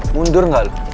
mundur gak lu